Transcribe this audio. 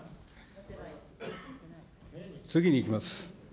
次にいきます。